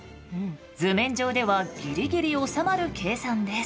図面上ではギリギリ収まる計算です。